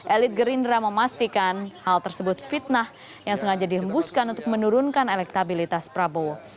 elit gerindra memastikan hal tersebut fitnah yang sengaja dihembuskan untuk menurunkan elektabilitas prabowo